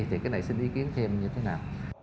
thì cái này xin ý kiến thêm như thế nào